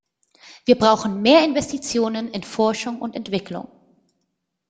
Wir brauchen mehr Investitionen in Forschung und Entwicklung.